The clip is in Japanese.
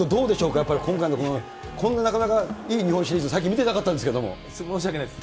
やっぱり、今回のこんななかなかいい日本シリーズ、最近見てなか申し訳ないです。